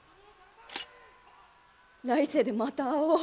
来世でまた会おう。